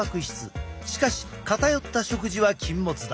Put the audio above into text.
しかし偏った食事は禁物だ。